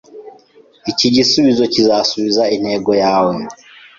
Iki gisubizo kizasubiza intego yawe?